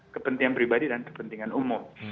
kepentingan pribadi dan kepentingan umum